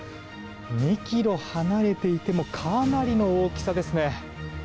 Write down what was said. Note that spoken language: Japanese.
２ｋｍ離れていてもかなりの大きさですね。